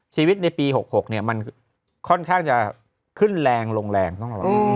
ชีวิตในปี๖๖มันค่อนข้างจะขึ้นแรงลงแรงต้องระวัง